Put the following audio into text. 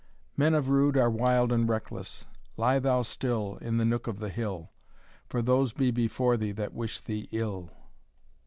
] Men of rude are wild and reckless, Lie thou still In the nook of the hill. For those be before thee that wish thee ill."